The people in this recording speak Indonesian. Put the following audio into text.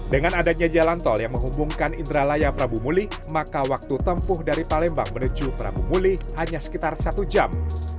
dengan adanya jalan tol yang menghubungkan indralaya prabu mulih maka waktu tempuh dari palembang menuju prabu mulih hanya sekitar satu jam